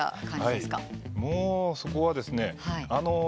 もうそこはですね。